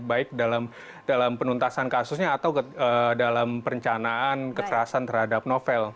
baik dalam penuntasan kasusnya atau dalam perencanaan kekerasan terhadap novel